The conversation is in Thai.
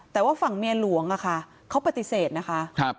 แต่ว่าฝั่งเมียหลวงอะค่ะเขาปฏิเสธนะคะ